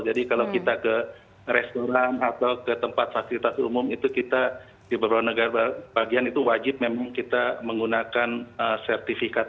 jadi kalau kita ke restoran atau ke tempat fasilitas umum itu kita di beberapa negara bagian itu wajib memang kita menggunakan sertifikat